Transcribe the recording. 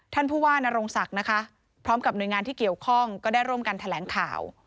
ท่านผู้ว่านโรงศักดิ์นะคะพร้อมกับหน่วยงานที่เกี่ยวข้องก็ได้ร่วมกันแถลงข่าว